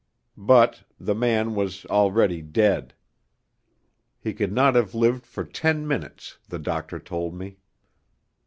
But the man was already dead. He could not have lived for ten minutes, the doctor told me.